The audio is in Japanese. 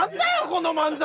この漫才！